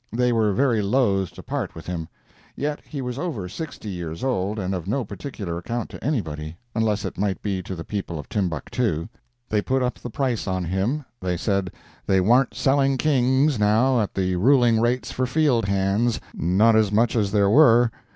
They were very loath to part with him—yet he was over sixty years old and of no particular account to anybody, unless it might be to the people of Timbuctoo. They put up the price on him—they said they warn't selling Kings, now, at the ruling rates for field hands—not as much as there were.